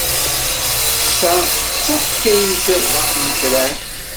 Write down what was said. Ta d taḥkayt ɣef yitran.